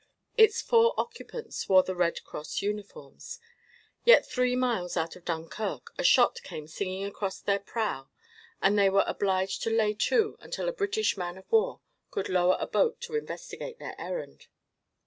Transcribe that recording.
Its four occupants wore the Red Cross uniforms. Yet three miles out of Dunkirk a shot came singing across their prow and they were obliged to lay to until a British man of war could lower a boat to investigate their errand.